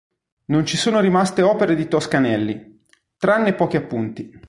Non ci sono rimaste opere di Toscanelli, tranne pochi appunti.